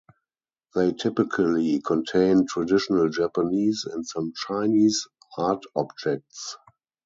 They typically contain traditional Japanese, and some Chinese, art objects.